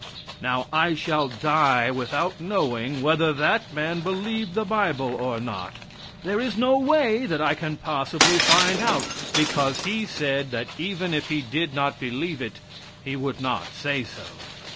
Now, I shall die without knowing whether that man believed the bible or not. There is no way that I can possibly find out, because he said that even if he did not believe it he would not say so.